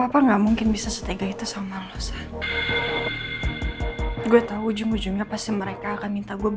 pakai sosokan ngusir gue